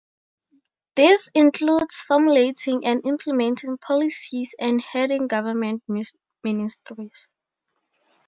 This includes formulating and implementing policies and heading government ministries.